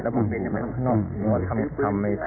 แล้วผมข้างนอกทำเลยปล่อย